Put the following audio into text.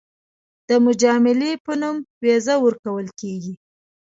د مجامله په نوم ویزه ورکول کېږي.